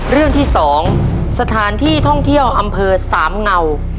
เรื่องที่๒สถานที่ท่องเที่ยวอำเภอสามเงา